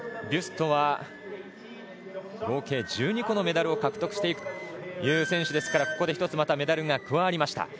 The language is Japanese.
ビュストは合計１２個のメダルを獲得している選手ですからここで１つメダルが加わりました。